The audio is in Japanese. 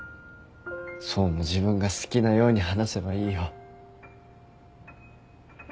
想も自分が好きなように話せばいいよ。